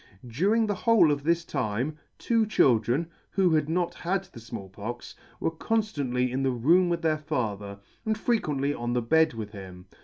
During the whole of this time, two children, who had not had the Small Pox, were conftantly in the room with their father, and frequently on the bed with him.